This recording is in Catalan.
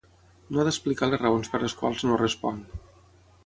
No ha d’explicar les raons per les quals no respon.